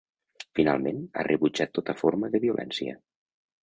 Finalment, ha rebutjat tota forma de violència.